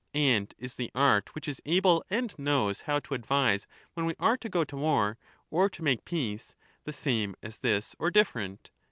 And is the art which is able and knows how to advise when we are to go to war, or to make peace, the same as this or different